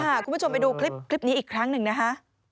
คุณผู้ชมไปดูคลิปนี้อีกครั้งหนึ่งนะคะ